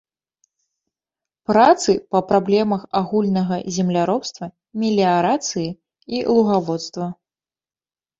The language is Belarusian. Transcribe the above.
Працы па праблемах агульнага земляробства, меліярацыі і лугаводства.